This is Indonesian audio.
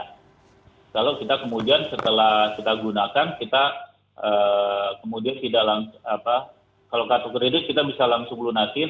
kalau kita kemudian setelah kita gunakan kita kemudian tidak langsung kalau kartu kredit kita bisa langsung lunakin